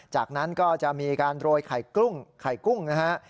จากนั้นก็จะมีการโรยไข่กุ้งไข่กุ้งนะฮะ